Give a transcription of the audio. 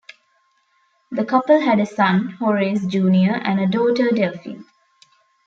The couple had a son, Horace Junior and a daughter, Delphine.